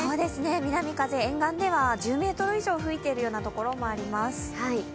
南風、沿岸では１０メートル以上吹いているところもあります。